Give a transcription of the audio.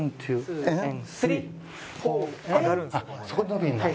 あっそこで伸びるんだ。